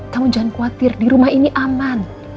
kamu jangan khawatir di rumah ini aman